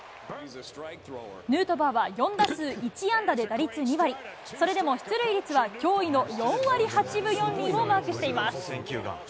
ヌートバーは４打数１安打で打率２割、それでも出塁率は驚異の４割８分４厘をマークしています。